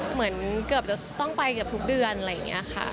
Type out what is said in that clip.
เหมือนเกือบจะต้องไปเกือบทุกเดือนอะไรอย่างนี้ค่ะ